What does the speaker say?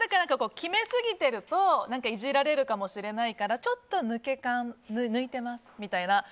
決めすぎてるといじられるかもしれないからちょっと抜け感抜いてますみたいな。